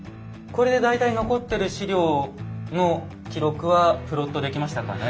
これで大体残ってる史料の記録はプロットできましたかね。